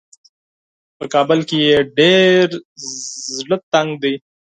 په کابل کې یې ډېر زړه تنګ دی.